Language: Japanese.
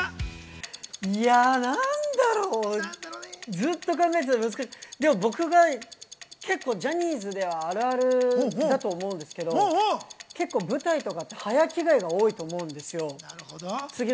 ずっと考えてたんですけど、僕がジャニーズではあるあるだと思うんですけど、舞台とかって早着替えが多いと思うんですよ。